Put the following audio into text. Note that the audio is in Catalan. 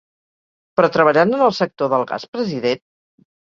Però treballant en el sector del gas, president?